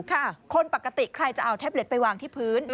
คนปกติใครจะเอาแท็บเล็ตไปวางที่พื้น